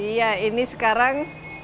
iya ini sekarang